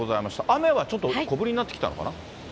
雨はちょっと小降りになってきたのかな。